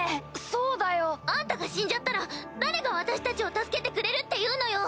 そうだよ。あんたが死んじゃったら誰が私たちを助けてくれるっていうのよ！